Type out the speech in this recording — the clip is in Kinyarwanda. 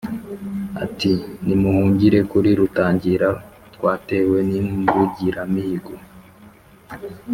ati: nimuhungire kuli rutangira twatewe n'imbungiramihigo,